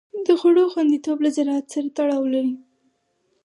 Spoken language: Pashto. د خوړو خوندیتوب له زراعت سره تړاو لري.